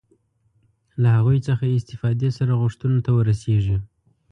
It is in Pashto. له هغوی څخه استفادې سره غوښتنو ته ورسېږي.